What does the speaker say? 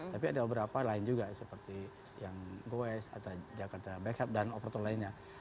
tapi ada beberapa lain juga seperti yang goes atau jakarta backup dan operator lainnya